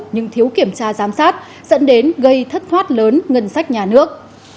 nhưng thiếu kiểm tra giám sát dẫn đến gây thất thoát lớn ngân sách nhà nước